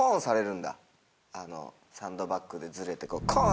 サンドバッグでずれてコン！